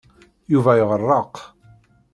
Yuba iɣeṛṛeq.